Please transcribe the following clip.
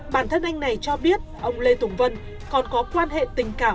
bản thân anh này cho biết ông lê tùng vân còn có quan hệ tình cảm